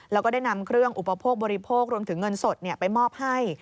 แล้วก็ได้นำเครื่องอุปโภคบริโภครวมถึงเงินสดไปมอบให้